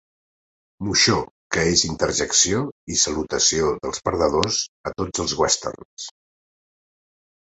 Moixó que és interjecció i salutació dels perdedors a tots els westerns.